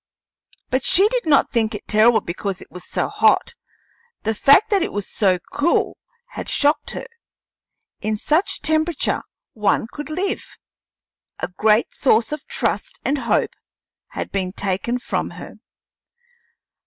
But she did not think it terrible because it was so hot; the fact that it was so cool had shocked her. In such temperature one could live! A great source of trust and hope had been taken from her.